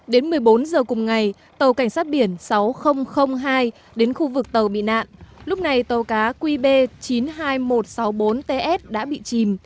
đến một mươi bốn h cùng ngày tàu cảnh sát biển sáu nghìn hai đến khu vực tàu bị nạn lúc này tàu cá qb chín mươi hai nghìn một trăm sáu mươi bốn ts đã bị chìm